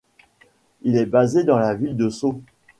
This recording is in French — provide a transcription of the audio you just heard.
Il est basé dans la ville de Sceaux.